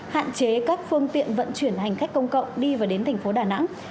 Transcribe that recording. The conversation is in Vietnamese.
hạn chế các phương tiện vận chuyển hành khách công cộng đi và đến thành phố đà nẵng